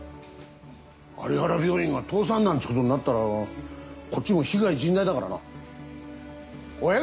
有原病院が倒産なんてことになったらこっちも被害甚大だからな。